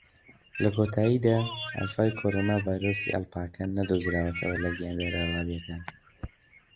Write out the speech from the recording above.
لە کۆتایدا، ئەلفای کۆرۆنا ڤایرۆسی ئەڵپاکان نەدۆزراوەتەوە لە گیاندارە ڕاویەکان.